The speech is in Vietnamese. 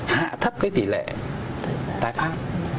hạ thấp cái tỷ lệ tai phát